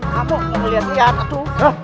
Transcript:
kamu yang melihat lihat atu